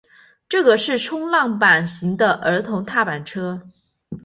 这个是冲浪板型的儿童踏板车。